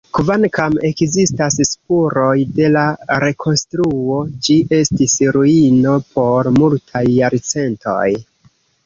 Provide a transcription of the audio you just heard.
Kvankam ekzistas spuroj de la rekonstruo, ĝi estis ruino por multaj jarcentoj.